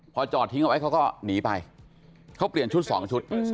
พอจอดทิ้งเอาไว้เขาก็หนีไปเขาเปลี่ยนชุด๒ชุด